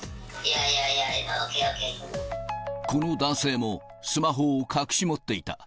この男性もスマホを隠し持っていた。